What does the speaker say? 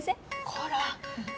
こら。